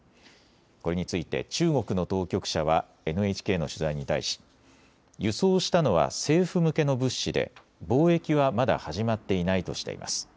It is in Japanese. これについて中国の当局者はＮＨＫの取材に対し輸送したのは政府向けの物資で貿易はまだ始まっていないとしています。